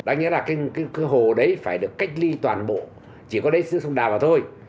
đáng nhớ là cái hồ đấy phải được cách ly toàn bộ chỉ có đáy sữa sông đào mà thôi